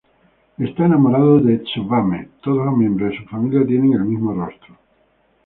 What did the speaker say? Está enamorado de Tsubame.Todos los miembros de su familia tienen el mismo rostro.